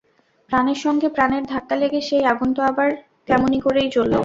প্রাণের সঙ্গে প্রাণের ধাক্কা লেগে সেই আগুন তো আবার তেমনি করেই জ্বলল।